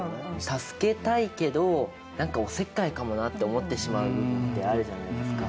助けたいけど何かおせっかいかもなって思ってしまう部分ってあるじゃないですか。